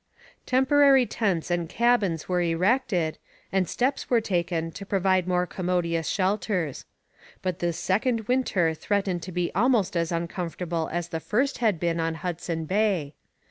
Temporary tents and cabins were erected, and steps were taken to provide more commodious shelters. But this second winter threatened to be almost as uncomfortable as the first had been on Hudson Bay.